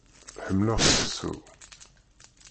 Ḥemmleɣ seku.